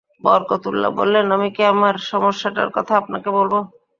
বরকতউল্লাহ বললেন, আমি কি আমার সমস্যাটার কথা আপনাকে বলব?